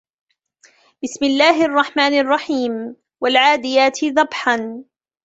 بِسْمِ اللَّهِ الرَّحْمَنِ الرَّحِيمِ وَالْعَادِيَاتِ ضَبْحًا